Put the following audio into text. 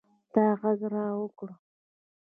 تا ږغ را وکړئ.